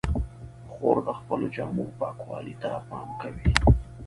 خور د خپلو جامو پاکوالي ته پام کوي.